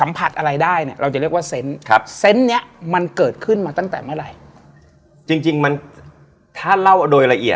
มันไม่ใช่เป็นการคุยกันในกองไทย